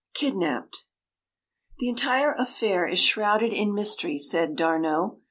Kidnapped “The entire affair is shrouded in mystery,” said D’Arnot.